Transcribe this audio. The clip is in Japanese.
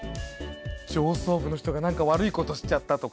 上層部の人がなんか悪いことしちゃったとか？